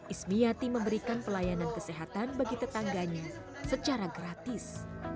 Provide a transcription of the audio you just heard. ismi yati memberikan pelayanan kesehatan bagi tetangganya secara gratis